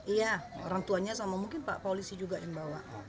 iya orang tuanya sama mungkin pak polisi juga yang bawa